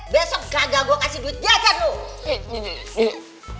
besok kagak gue kasih duit dia ape